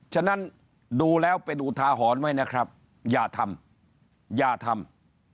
ฉะนั้นดูแล้วเป็นอุทาหรณ์ไว้นะครับอย่าทำอย่าทำ